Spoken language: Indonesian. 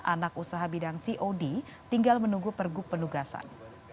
anak usaha bidang tod tinggal menunggu pergub penugasan